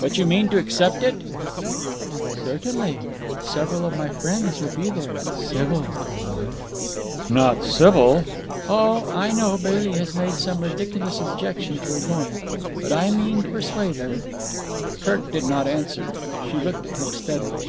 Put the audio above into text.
"But you mean to accept it?" "Certainly. Several of my friends will be there. Sybil for one." "Not Sybil." "Oh, I know Bailey has made some ridiculous objection to her going, but I mean to persuade her." Kirk did not answer. She looked at him steadily.